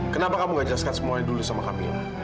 kenapa kamu gak jelaskan semuanya dulu sama kami